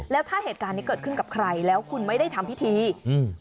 แล้วถ้าเหตุการณ์นี้เกิดขึ้นกับใครแล้วคุณไม่ได้ทำพิธีอืม